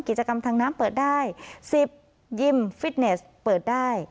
กิจกรรมทางน้ำเปิดได้๑๐ยิมฟิตเนสเปิดได้